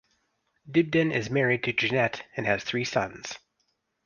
Dibden is married to Jeanette and has three sons.